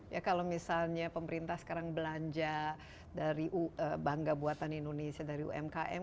ya kalau misalnya pemerintah sekarang belanja dari bangga buatan indonesia dari umkm